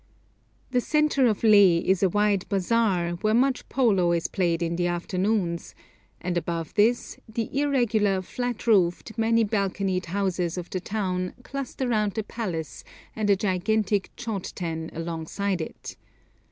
The centre of Leh is a wide bazaar, where much polo is played in the afternoons; and above this the irregular, flat roofed, many balconied houses of the town cluster round the palace and a gigantic chod ten alongside it.